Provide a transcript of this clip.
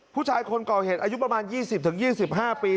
ผู้ชายคนก่อเหตุอายุประมาณ๒๐๒๕ปี